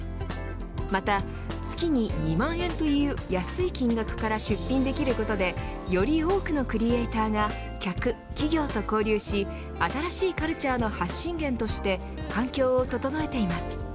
また月に２万円という安い金額から出品できることでより多くのクリエイターが客、企業と交流し新しいカルチャーの発信源として環境を整えています。